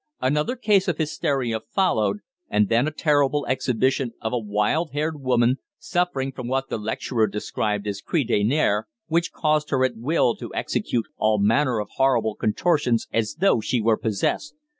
Another case of hysteria followed, and then a terrible exhibition of a wild haired woman suffering from what the lecturer described as a "crise des nerfs," which caused her at will to execute all manner of horrible contortions as though she were possessed.